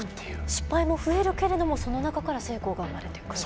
失敗も増えるけれどもその中から成功が生まれてくる。